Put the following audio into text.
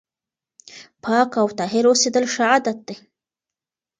پاک او طاهر اوسېدل ښه عادت دی.